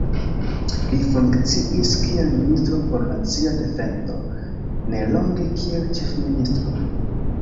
Li funkciis kiel ministro por nacia defendo, nelonge kiel ĉefministro.